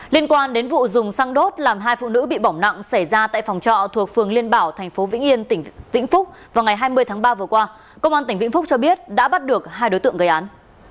liên quan đến vụ dùng xăng đốt làm hai phụ nữ bị bỏng nặng xảy ra tại phòng trọ thuộc phường liên bảo thành phố vĩnh yên tỉnh vĩnh phúc vào ngày hai mươi tháng ba vừa qua công an tỉnh vĩnh phúc cho biết đã bắt được hai đối tượng gây án